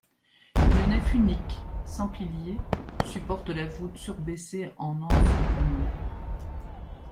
Une nef unique, sans piliers, supporte la voûte surbaissée en anse de panier.